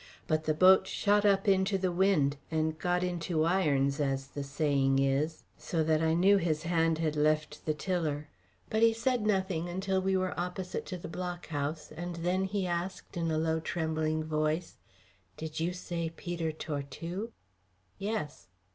But the boat shot up into the wind and got into irons, as the saying is, so that I knew his hand had left the tiller. But he said nothing until we were opposite to the Blockhouse, and then he asked in a low trembling voice: "Did you say Peter Tortue?" "Yes."